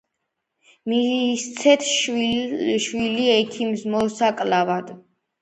მისცეს შვილი ექიმს მოსაკლავად.